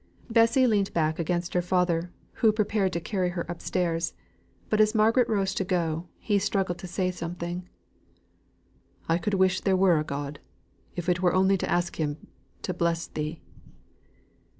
Bessy leant back against her father, who prepared to carry her upstairs; but as Margaret rose to go, he struggled to say something; "I could wish there were a God, if it were only to ask Him to bless thee."